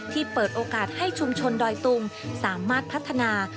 เปิดโอกาสให้ชุมชนดอยตุงสามารถพัฒนา